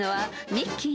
ミッキー！